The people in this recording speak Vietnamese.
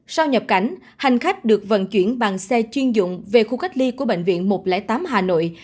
sau nhập cảnh hành khách được vận chuyển bằng xe chuyên dụng về khu cách ly của bệnh viện một trăm linh tám hà nội